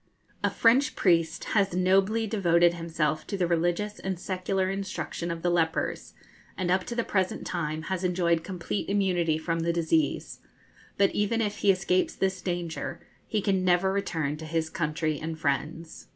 A French priest has nobly devoted himself to the religious and secular instruction of the lepers, and up to the present time has enjoyed complete immunity from the disease; but even if he escapes this danger, he can never return to his country and friends.